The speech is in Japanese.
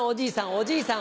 おじいさん